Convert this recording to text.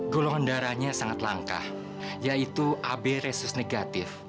dolongan darahnya sangat langka yaitu ab resus negatif